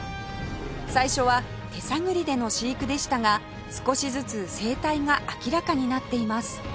最初は手探りでの飼育でしたが少しずつ生態が明らかになっています